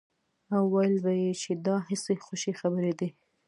او ويل به يې چې دا هسې خوشې خبرې دي.